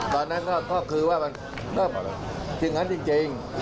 ตอนนั้นข้อคือว่าจริงจริง